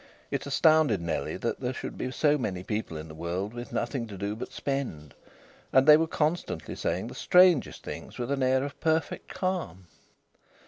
It astounded Nellie that there should be so many people in the world with nothing to do but spend. And they were constantly saying the strangest things with an air of perfect calm.